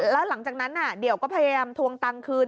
แล้วหลังจากนั้นเดี่ยวก็พยายามทวงตังค์คืน